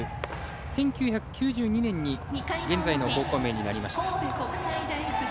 １９９２年に現在の高校名になりました。